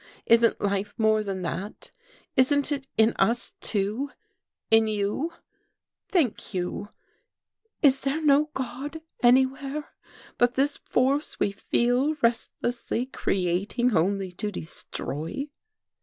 Isn't life more than that? Isn't it in us, too, in you? Think, Hugh. Is there no god, anywhere, but this force we feel, restlessly creating only to destroy?